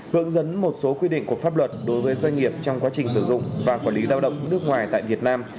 hướng dẫn một số quy định của pháp luật đối với doanh nghiệp trong quá trình sử dụng và quản lý lao động nước ngoài tại việt nam